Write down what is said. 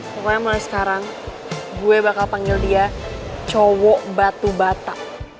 pokoknya mulai sekarang gue bakal panggil dia cowok batu bata